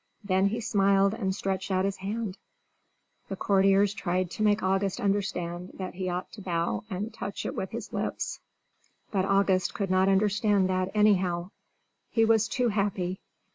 Then he smiled and stretched out his hand; the courtiers tried to make August understand that he ought to bow and touch it with his lips, but August could not understand that anyhow; he was too happy.